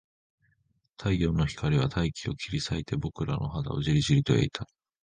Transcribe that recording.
太陽の光は大気を切り裂いて、僕らの肌をじりじりと焼いた